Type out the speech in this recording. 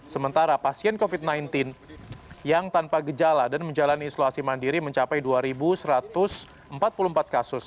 sementara pasien covid sembilan belas yang tanpa gejala dan menjalani isolasi mandiri mencapai dua satu ratus empat puluh empat kasus